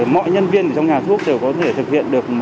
mọi nhân viên trong nhà thuốc đều có thể thực hiện được